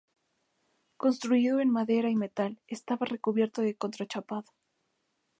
Construido en madera y metal, estaba recubierto de contrachapado.